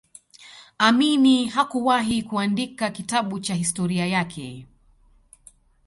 Amini hakuwahi kuandika kitabu cha historia yake